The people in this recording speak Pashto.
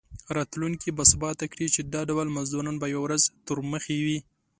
راتلونکي به ثابته کړي چې دا ډول مزدوران به یوه ورځ تورمخي وي.